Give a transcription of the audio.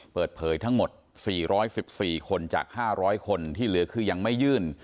เปิดเผยทั้งหมด๔๑๔คนจาก๕๐๐คนที่เหลือคือยังไม่ยื่น